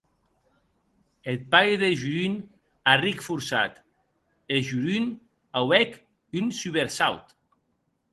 Eth pair de Jorunn arric forçat, e Jorunn auec un subersaut.